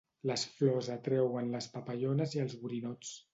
Les flors atreuen les papallones i els borinots.